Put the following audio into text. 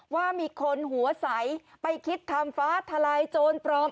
ว่ามีคนหัวใสไปคิดทำฟ้าทลายโจรปลอม